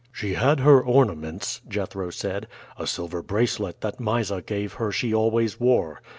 "She had her ornaments," Jethro said; "a silver bracelet that Mysa gave her she always wore.